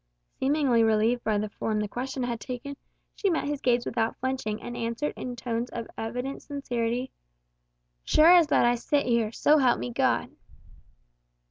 Seemingly relieved by the form the question had taken, she met his gaze without flinching, and answered in tones of evident sincerity, "Sure as that I sit here so help me God."